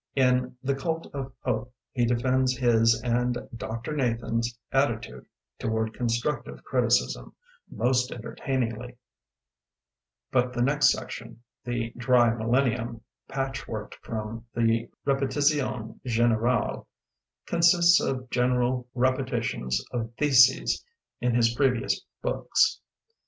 In "The Cult of Hope" he defends his and "Dr. Nathan's" attitude toward constructive criticism — most enter tainingly— ^but th6 next section "The Dry Millennium", patchworked from the Ripetizione Generale, consists of general repetitions of theses in his previous books.